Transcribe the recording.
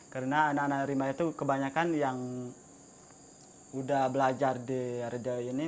karena anak anak rimba itu kebanyakan yang udah belajar di radio ini